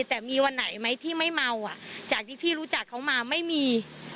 แต่มีวันไหนไหมที่ไม่เมาอ่ะจากที่พี่รู้จักเขามาไม่มี